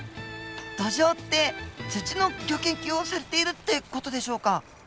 土壌って土のギョ研究をされているって事でしょうか？